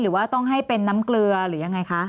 หรือว่าต้องให้เป็นน้ำเกลือหรือยังไงคะ